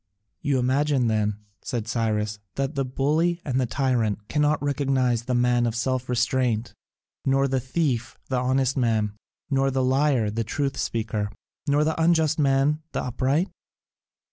"You imagine then," said Cyrus, "that the bully and the tyrant cannot recognise the man of self restraint, nor the thief the honest man, nor the liar the truth speaker, nor the unjust man the upright?